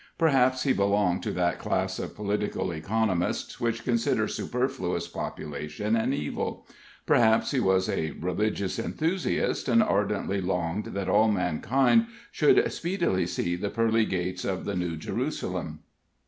Perhaps he belonged to that class of political economists which considers superfluous population an evil; perhaps he was a religious enthusiast, and ardently longed that all mankind should speedily see the pearly gates of the New Jerusalem.